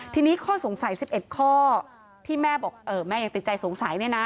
ทีนี้ข้อสงสัย๑๑ข้อที่แม่บอกแม่ยังติดใจสงสัยเนี่ยนะ